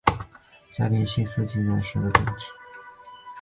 甲基丙烯酸甲酯的单体。